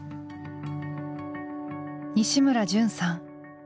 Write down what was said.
西村潤さん。